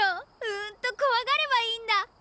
うんとこわがればいいんだ！